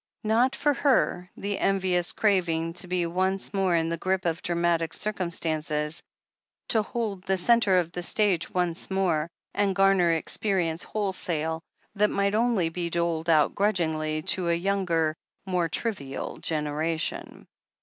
Not for her the envious craving to be once more in the grip of dramatic circum stances, to hold the centre of the stage once more, and gamer experience wholesale, that might only be doled out grudgingly to a youngft , more trivial generation.